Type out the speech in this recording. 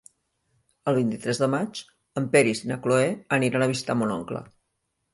El vint-i-tres de maig en Peris i na Cloè aniran a visitar mon oncle.